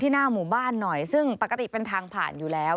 หน้าหมู่บ้านหน่อยซึ่งปกติเป็นทางผ่านอยู่แล้ว